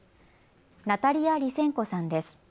ナタリア・リセンコさんです。